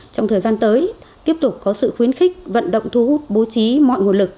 trong thời gian tới tiếp tục có sự khuyến khích vận động thu hút bố trí mọi nguồn lực